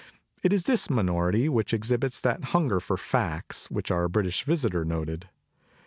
It is this minority which exhibits that hunger for facts, which our British visitor noted.